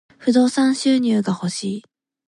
不動産収入が欲しい。